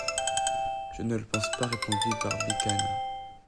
Je ne le pense pas, répondit Barbicane.